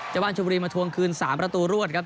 บ้านชมบุรีมาทวงคืน๓ประตูรวดครับ